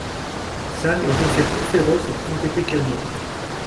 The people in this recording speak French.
Sam est de fait plus féroce et plus entêté qu'Elmer.